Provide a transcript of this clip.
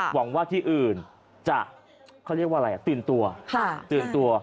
หวังว่าที่อื่นจะตื่นตัว